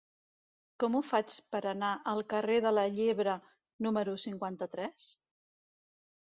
Com ho faig per anar al carrer de la Llebre número cinquanta-tres?